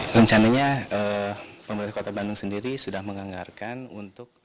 rencananya pemerintah kota bandung sendiri sudah menganggarkan untuk